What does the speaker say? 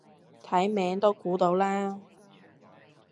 睇名都估到啦